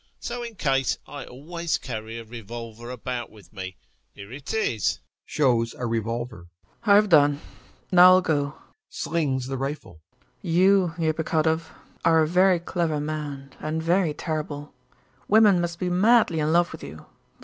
So, in case, I always carry a revolver about with me. Here it is. [Shows a revolver.] CHARLOTTA. I've done. Now I'll go. [Slings the rifle] You, Epikhodov, are a very clever man and very terrible; women must be madly in love with you.